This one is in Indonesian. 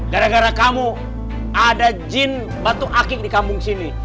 gara gara kamu ada jin batu akik di kampung sini